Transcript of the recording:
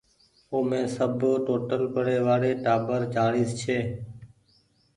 اومي سب ٽوٽل پڙي وآڙي ٽآٻر چآڙيس ڇي۔